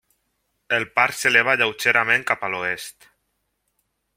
El parc s'eleva lleugerament cap a l'oest.